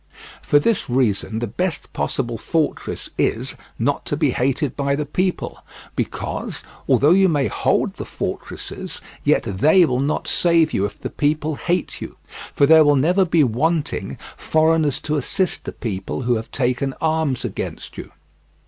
For this reason the best possible fortress is—not to be hated by the people, because, although you may hold the fortresses, yet they will not save you if the people hate you, for there will never be wanting foreigners to assist a people who have taken arms against you.